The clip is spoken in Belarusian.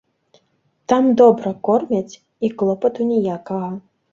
Там добра кормяць, і клопату ніякага.